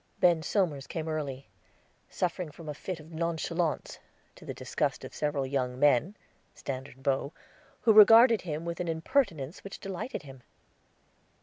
Ben Somers came early, suffering from a fit of nonchalance, to the disgust of several young men, standard beaux, who regarded him with an impertinence which delighted him.